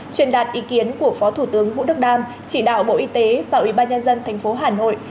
truyền đạt ý kiến của phó thủ tướng vũ đức đam chỉ đạo bộ y tế và ủy ban nhân dân tp hà nội